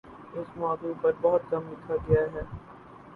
اس موضوع پر بہت کم لکھا گیا ہے